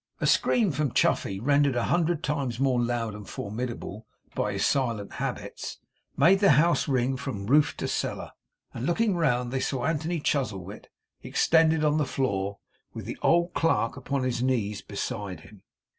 A scream from Chuffey, rendered a hundred times more loud and formidable by his silent habits, made the house ring from roof to cellar; and, looking round, they saw Anthony Chuzzlewit extended on the floor, with the old clerk upon his knees beside him.